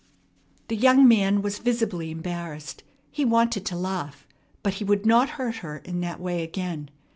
The young man was visibly embarrassed. He wanted to laugh, but he would not hurt her in that way again.